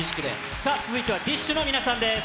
続いては、ＤＩＳＨ／／の皆さんです。